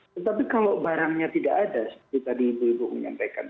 tetapi kalau barangnya tidak ada seperti tadi ibu ibu menyampaikan